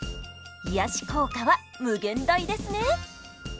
癒やし効果は無限大ですね！